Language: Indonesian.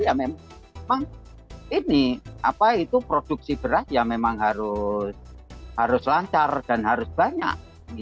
ya memang ini apa itu produksi beras ya memang harus lancar dan harus banyak